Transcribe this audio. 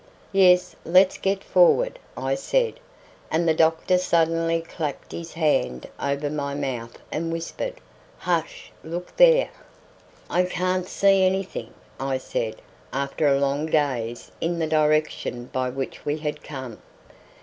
"Yes, let's get forward," I said, and the doctor suddenly clapped his hand over my mouth and whispered: "Hush! Look there!" "I can't see anything," I said, after a long gaze in the direction by which we had come.